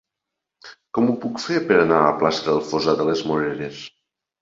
Com ho puc fer per anar a la plaça del Fossar de les Moreres?